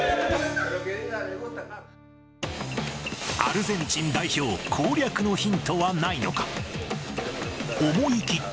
アルゼンチン代表攻略のヒントはないのか。